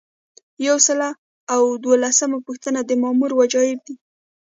یو سل او دولسمه پوښتنه د مامور وجایب دي.